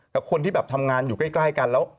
กับคนที่แบบทำงานอยู่ใกล้กันแล้ว